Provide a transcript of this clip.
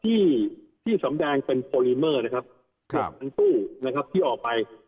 ที่ที่สำแดงเป็นนะครับครับตู้นะครับที่ออกไป